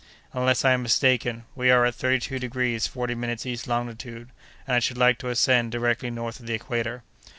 Unless I am mistaken, we are at thirty two degrees forty minutes east longitude, and I should like to ascend directly north of the equator."